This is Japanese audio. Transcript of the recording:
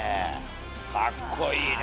かっこいいな。